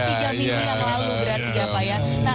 tiga minggu yang lalu berarti ya pak ya